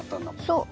そう。